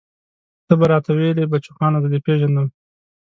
ته به راته ويلې بچوخانه زه دې پېژنم.